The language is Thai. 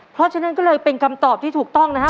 เพราะฉะนั้นแล้วเป็นกำตอบที่ถูกต้องนะฮะ